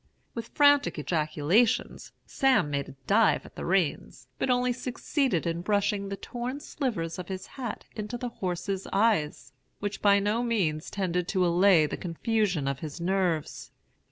With frantic ejaculations Sam made a dive at the reins, but only succeeded in brushing the torn slivers of his hat into the horse's eyes, which by no means tended to allay the confusion of his nerves.